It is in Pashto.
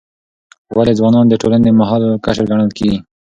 ولې ځوانان د ټولنې مهم قشر ګڼل کیږي؟